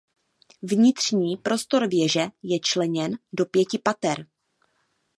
Vnitřní prostor věže je členěn do pěti pater.